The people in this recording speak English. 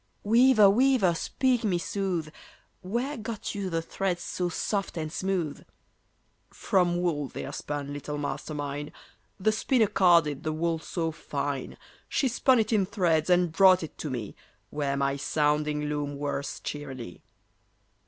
"Weaver, weaver, speak me, sooth, Where got you the threads so soft and smooth?" "From wool they're spun, little Master mine. The spinner carded the wool so fine. She spun it in threads, and brought it to me, Where my sounding loom whirrs cheerily."